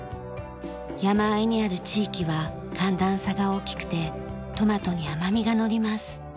山あいにある地域は寒暖差が大きくてトマトに甘みがのります。